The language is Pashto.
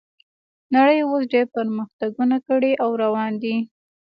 نړۍ اوس ډیر پرمختګونه کړي او روان دي